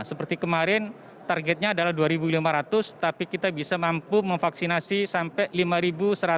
seperti kemarin targetnya adalah dua lima ratus tapi kita bisa mampu memvaksinasi sampai lima satu ratus lima puluh